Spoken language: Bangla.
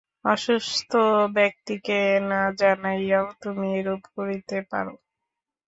অসুস্থ ব্যক্তিকে না জানাইয়াও তুমি এরূপ করিতে পার।